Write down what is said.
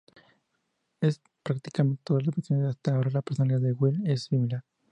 En prácticamente todas las versiones hasta ahora la personalidad de Will es similar.